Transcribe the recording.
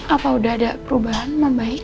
apa udah ada perubahan membaik